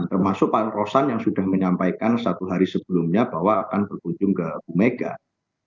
termasuk pak rosan yang sudah menyampaikan satu hari sebelumnya bahwa akan berkunjung ke bu megawati